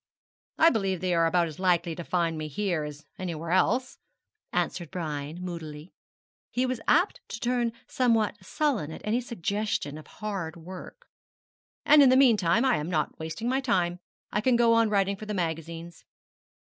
'I believe they are about as likely to find me here as anywhere else,' answered Brian, moodily, he was apt to turn somewhat sullen at any suggestion of hard work 'and in the meanwhile I am not wasting my time. I can go on writing for the magazines.'